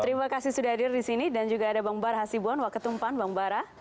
terima kasih sudah hadir di sini dan juga ada bang bar hasibuan waketumpan bang bara